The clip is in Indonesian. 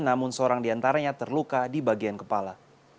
namun seorang diantaranya terluka di bagian kepala